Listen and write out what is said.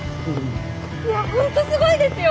いや本当すごいですよ！